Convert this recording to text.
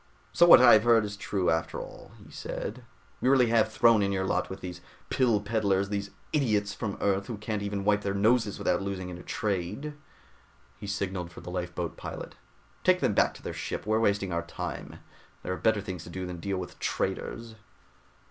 "So what I have heard is true, after all," he said. "You really have thrown in your lot with these pill peddlers, these idiots from Earth who can't even wipe their noses without losing in a trade." He signaled the lifeboat pilot. "Take them back to their ship, we're wasting our time. There are better things to do than to deal with traitors."